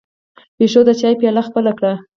پيشو د چای پياله خپله کړه.